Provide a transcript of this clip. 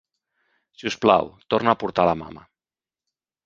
Si us plau, torna a portar la mama.